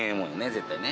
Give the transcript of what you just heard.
絶対ね。